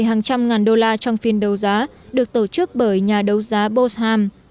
hàng trăm ngàn đô la trong phiên đấu giá được tổ chức bởi nhà đấu giá bosham